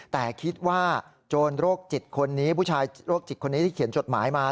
แต่คิดว่าโจรโรคจิตคนนี้ผู้ชายโรคจิตคนนี้ที่เขียนจดหมายมา